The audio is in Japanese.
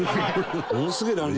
ものすげえ乱立。